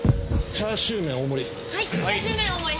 チャーシュー麺大盛り。